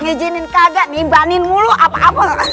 nijinin kagak dibanin mulu apa apa